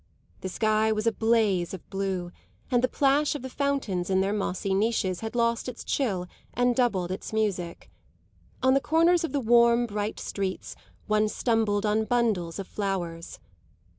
The sky was a blaze of blue, and the plash of the fountains in their mossy niches had lost its chill and doubled its music. On the corners of the warm, bright streets one stumbled on bundles of flowers.